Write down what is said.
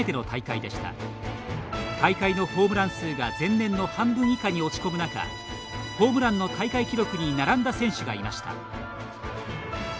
大会のホームラン数が前年の半分以下に落ち込む中ホームランの大会記録に並んだ選手がいました。